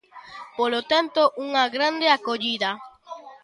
Polo tanto, unha grande acollida.